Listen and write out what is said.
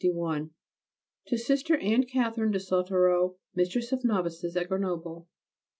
_To Sister Anne Catherine de Sautereau, Mistress of Novices at Grenoble.